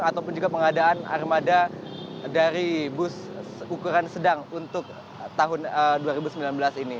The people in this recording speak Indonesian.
ataupun juga pengadaan armada dari bus ukuran sedang untuk tahun dua ribu sembilan belas ini